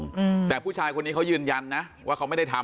อืมแต่ผู้ชายคนนี้เขายืนยันนะว่าเขาไม่ได้ทำ